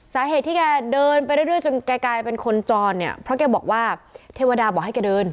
สาเหตุที่แกเดินไปเรื่อยจนแกกลายเป็นคนจรเนี่ยเพราะแกบอกว่าเทวดาบอกให้แกเดิน